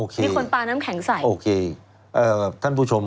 ใครคือน้องใบเตย